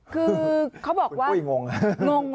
คือเขาบอกว่าคุณผู้หญิงงง